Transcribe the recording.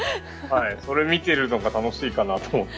それ見てるのが楽しいかなと思って。